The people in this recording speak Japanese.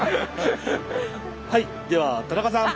はいでは田中さん。